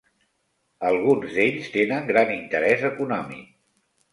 Alguns d'ells tenen gran interès econòmic.